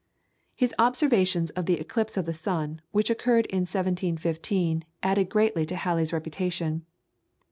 His observations of the eclipse of the sun, which occurred in 1715, added greatly to Halley's reputation.